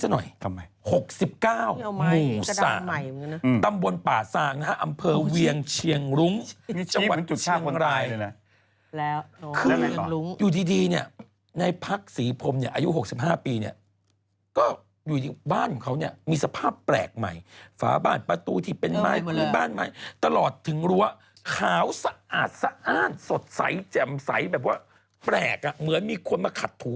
หน่อยทำไม๖๙หมู่๓ตำบลป่าซางนะฮะอำเภอเวียงเชียงรุ้งจังหวัดจุดเชียงรายเลยนะแล้วคืออยู่ดีเนี่ยในพักศรีพรมเนี่ยอายุ๖๕ปีเนี่ยก็อยู่บ้านของเขาเนี่ยมีสภาพแปลกใหม่ฝาบ้านประตูที่เป็นไม้พื้นบ้านไม้ตลอดถึงรั้วขาวสะอาดสะอ้านสดใสแจ่มใสแบบว่าแปลกอ่ะเหมือนมีคนมาขัดถู